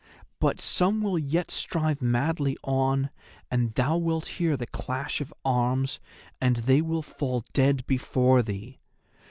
But some will yet strive madly on, and thou wilt hear the clash of arms and they will fall dead before thee.